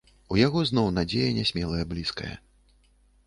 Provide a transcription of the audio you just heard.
У яго зноў надзея нясмелая бліскае.